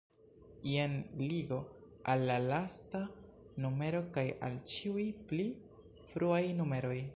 Jen ligo al la lasta numero kaj al ĉiuj pli fruaj numeroj.